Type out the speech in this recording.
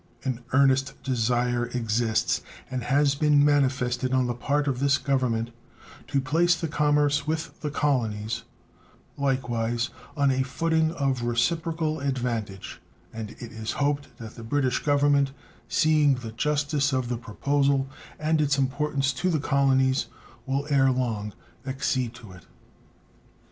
An earnest desire exists, and has been manifested on the part of this Government, to place the commerce with the colonies, likewise, on a footing of reciprocal advantage, and it is hoped that the British Government, seeing the justice of the proposal and its importance to the colonies, will ere long accede to it.